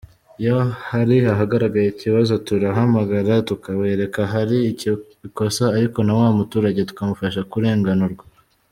Iyo hari ahagaragaye ikibazo, turabahamagara tukabereka ahari ikosa ariko na wa muturage tukamufasha kurenganurwa”.